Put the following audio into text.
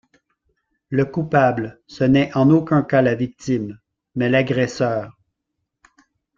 Le coupable, ce n’est en aucun cas la victime, mais l’agresseur.